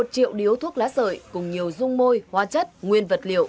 một triệu điếu thuốc lá sợi cùng nhiều dung môi hoa chất nguyên vật liệu